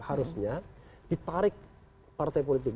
harusnya ditarik partai politik